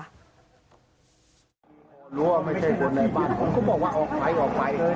พอรู้ว่าไม่ใช่คนในบ้านผมก็บอกว่าออกไปออกไป